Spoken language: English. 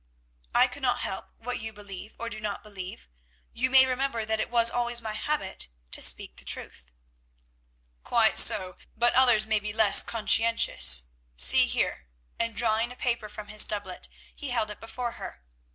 "I cannot help what you believe or do not believe. You may remember that it was always my habit to speak the truth." "Quite so, but others may be less conscientious. See here," and drawing a paper from his doublet, he held it before her.